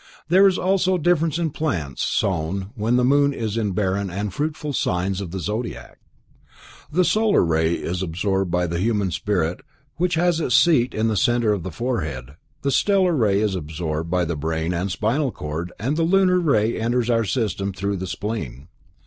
There is also a difference in plants sown when the moon is in barren and fruitful signs of the Zodiac. The solar ray is absorbed by the human spirit which has its seat in the center of the forehead, the stellar ray is absorbed by the brain and spinal cord, and the lunar ray enters our system through the spleen.